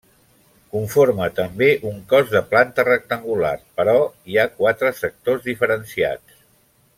Conforma també un cos de planta rectangular, però hi ha quatre sectors diferenciats.